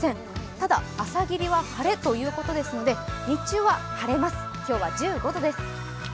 ただ、朝霧は晴れということですので日中は晴れます、今日は１５度です。